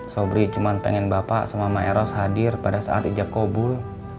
sobri cuman pengen bapak sama mama eros hadir pada saat ijab kobul